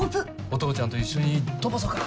お父ちゃんと一緒に飛ばそか。